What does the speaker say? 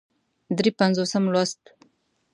درې پينځوسم لوست